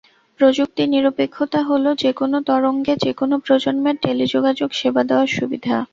প্রযুক্তি নিরপেক্ষতা হলো যেকোনো তরঙ্গে যেকোনো প্রজন্মের টেলিযোগাযোগ সেবা দেওয়ার সুবিধা।